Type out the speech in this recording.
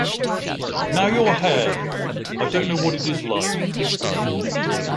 Now your hair, I don’t know what it is like!